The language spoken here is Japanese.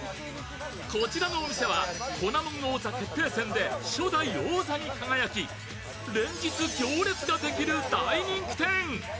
こちらのお店は粉もん王座決定戦で初代王座に輝き連日行列ができる大人気店。